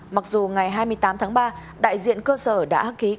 mặc dù ngày hai mươi tám tháng ba đại diện cơ sở đã hắc khí cam